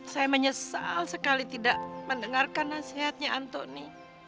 saya menyesal sekali tidak mendengarkan nasihatnya antoni